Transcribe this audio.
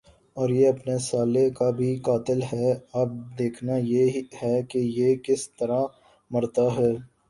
اور یہ اپنے سالے کا بھی قاتل ھے۔ اب دیکھنا یہ ھے کہ یہ کس طرع مرتا ھے۔